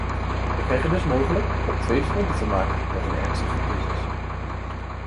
Wij krijgen dus mogelijk op twee fronten te maken met een ernstige crisis.